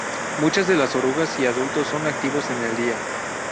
Muchas de las orugas y adultos son activos en el día.